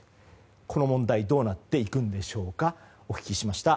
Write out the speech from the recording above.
この問題どうなっていくんでしょうかお聞きました。